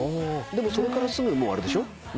でもそれからすぐもうあれでしょ？